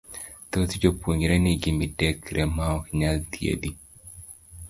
Thoth jopuonjre nigi midekre maok nyal thiedhi,